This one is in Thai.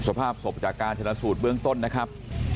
สภาพศพจากการชนะสูตรเบื้องต้นนะครับ